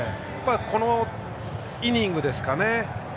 このイニングですかね。